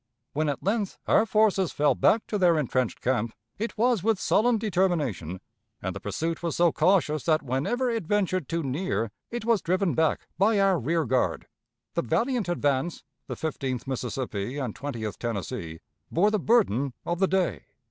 When at length our forces fell back to their intrenched camp, it was with sullen determination, and the pursuit was so cautious that whenever it ventured too near it was driven back by our rear guard. The valiant advance the Fifteenth Mississippi and Twentieth Tennessee bore the burden of the day.